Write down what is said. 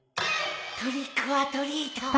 トリックオアトリート。